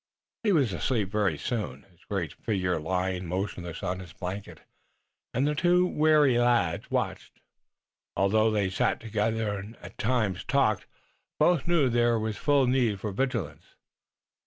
He was asleep very soon, his great figure lying motionless on his blanket, and the two wary lads watched, although they sat together, and, at times, talked. Both knew there was full need for vigilance.